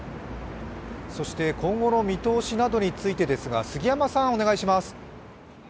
そして今後の見通しなどについてですが、杉山さんお願いします。